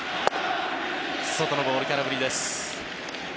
外のボール、空振りです。